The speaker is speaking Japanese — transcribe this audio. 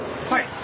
はい。